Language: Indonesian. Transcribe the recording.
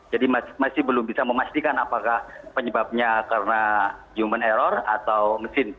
jadi masih belum bisa memastikan apakah penyebabnya karena human error atau mesin